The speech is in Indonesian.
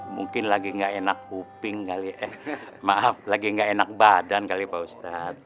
mungkin lagi nggak enak kuping kali eh maaf lagi nggak enak badan kali pak ustadz